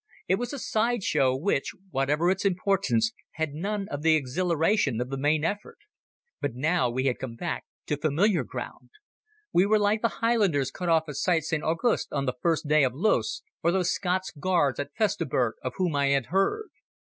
It was a side show which, whatever its importance, had none of the exhilaration of the main effort. But now we had come back to familiar ground. We were like the Highlanders cut off at Cite St Auguste on the first day of Loos, or those Scots Guards at Festubert of whom I had heard.